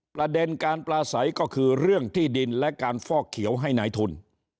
ประเด็นการปลาใสก็คือเรื่องที่ดินและการฟอกเขียวให้นายทุน